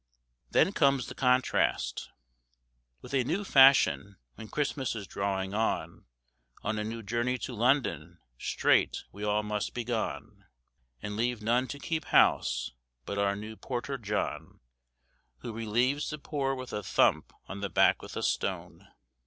then comes the contrast,— "With a new fashion, when Christmas is drawing on, On a new journey to London, straight we all must begone, And leave none to keep house, but our new porter, John, Who relieves the poor with a thump on the back with a stone.